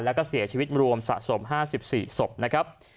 แล้วก็เสียชีวิตรวมสะสม๕๔ศพนะครับ